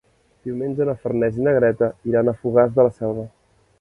Diumenge na Farners i na Greta iran a Fogars de la Selva.